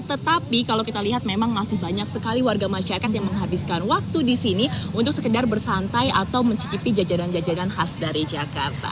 tetapi kalau kita lihat memang masih banyak sekali warga masyarakat yang menghabiskan waktu di sini untuk sekedar bersantai atau mencicipi jajanan jajanan khas dari jakarta